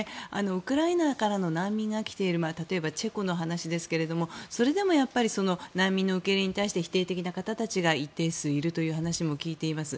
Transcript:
ウクライナからの難民が来ている例えば、チェコの話ですがそれでも、やっぱり難民の受け入れに対して否定的な方たちが一定数いるという話も聞いています。